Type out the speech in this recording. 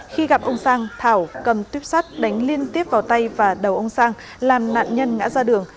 khi gặp ông sang thảo cầm tuyếp sắt đánh liên tiếp vào tay và đầu ông sang làm nạn nhân ngã ra đường